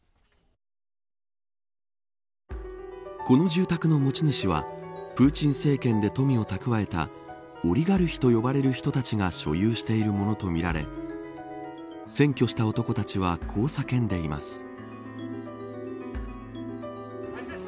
この住宅の持ち主はプーチン政権で富を蓄えたオリガルヒと呼ばれる人たちが所有しているものとみられ占拠した男たちはこう叫んでいます。